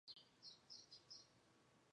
图巴朗是巴西圣卡塔琳娜州的一个市镇。